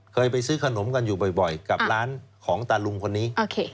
เคยไปซื้อขนมกันอยู่บ่อยกับร้านของตาลุงคนนี้